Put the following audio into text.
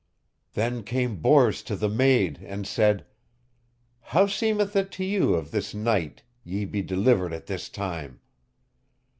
Then came Bors to the maid and said: How seemeth it to you of this knight ye be delivered at this time?